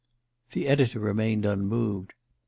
The editor remained unmoved.